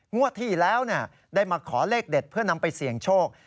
งวดที่แล้วได้มาขอเลขเด็ดเพื่อนำไปเสี่ยงโชค